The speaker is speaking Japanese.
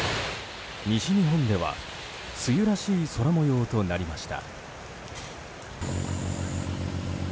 西日本では梅雨らしい空模様となりました。